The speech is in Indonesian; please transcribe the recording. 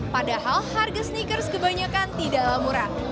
padahal harga sneakers kebanyakan tidaklah murah